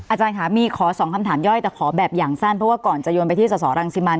อาจารย์ค่ะมีขอสองคำถามย่อยแต่ขอแบบอย่างสั้นเพราะว่าก่อนจะโยนไปที่สสรังสิมัน